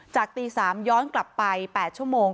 ตี๓ย้อนกลับไป๘ชั่วโมง